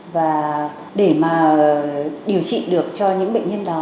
và để mà điều trị được cho những bệnh nhân đó